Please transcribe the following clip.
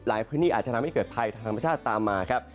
พื้นที่อาจจะทำให้เกิดภัยทางธรรมชาติตามมาครับ